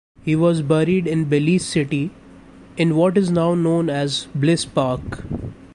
He was buried in Belize City, in what is now known as Bliss Park.